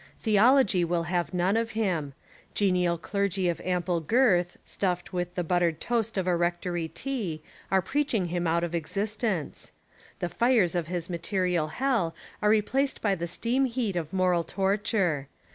Theology will have none of him. Genial clergy of ample girth, stuffed with the buttered toast of a rec tory tea, are preaching him out of existence. The fires of his material hell are replaced by the steam heat of moral torture.